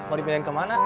mau dipindahin kemana